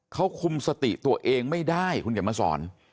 เขาคุมสติตัวเองไม่ได้คุณเขียนมาสอน